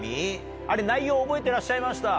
あれ内容覚えてらっしゃいました？